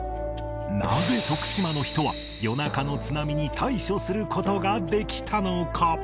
なぜ徳島の人は夜中の津波に対処する事ができたのか？